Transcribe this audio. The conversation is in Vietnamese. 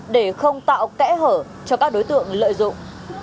để không tạo kẽ hở cho các đối tượng lợi dụng